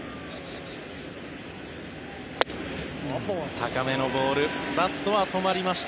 高めのボールバットは止まりました。